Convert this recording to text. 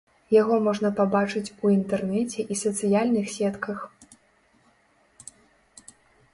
Яго можна пабачыць у інтэрнэце і сацыяльных сетках.